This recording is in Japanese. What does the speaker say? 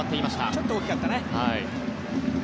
ちょっと大きかったね。